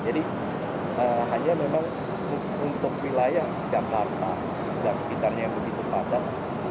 jadi hanya memang untuk wilayah jakarta dan sekitarnya yang begitu padat